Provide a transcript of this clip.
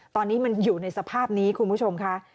ตอนนี้มันอยู่ในสภาพนี้คุณผู้ชมค่ะ